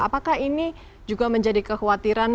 apakah ini juga menjadi kekhawatiran